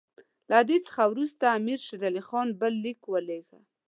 له دې څخه وروسته امیر شېر علي خان بل لیک ولېږه.